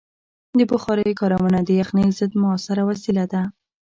د بخارۍ کارونه د یخنۍ ضد مؤثره وسیله ده.